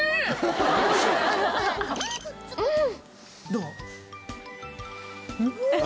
どう？